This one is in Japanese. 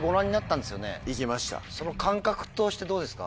その感覚としてどうですか？